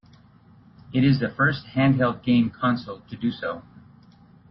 It is the first handheld game console to do so.